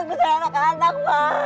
buat anak anak pak